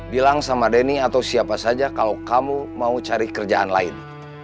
bilang sama denny atau siapa saja kalau kamu mau cari kerjaan lain